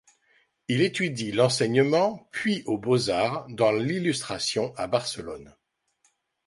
Il étudie l’enseignement, puis aux beaux-arts dans l’illustration à Barcelone.